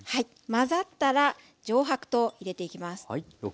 混ざったら上白糖入れていきます。